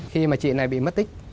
khi mà chị này bị mất tích